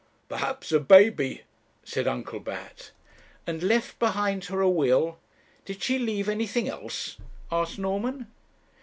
'Perhaps a baby,' said Uncle Bat. "And left behind her a will " 'Did she leave anything else?' asked Norman.